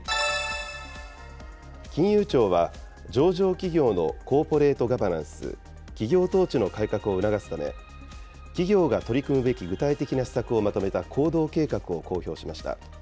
金融庁は上場企業のコーポレート・ガバナンス・企業統治の改革を促すため、企業が取り組むべき具体的な施策をまとめた行動計画を公表しました。